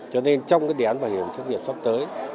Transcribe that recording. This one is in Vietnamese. cho nên trong cái đề án bảo hiểm thất nghiệp sắp tới